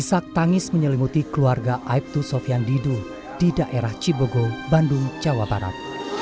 isak tangis menyelimuti keluarga aibtu sofian didu di daerah cibogo bandung jawa barat